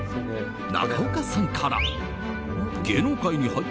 中岡さんから。